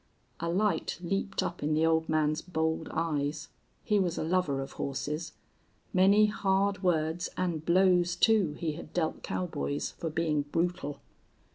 A light leaped up in the old man's bold eyes. He was a lover of horses. Many hard words, and blows, too, he had dealt cowboys for being brutal.